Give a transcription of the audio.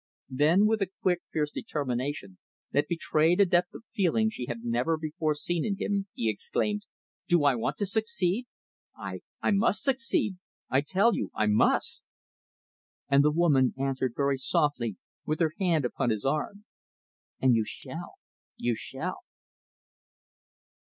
Then, with a quick, fierce determination that betrayed a depth of feeling she had never before seen in him, he exclaimed, "Do I want to succeed! I I must succeed. I tell you I must." And the woman answered very softly, with her hand upon his arm, "And you shall you shall."